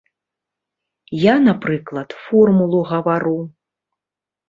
Я, напрыклад, формулу гавару.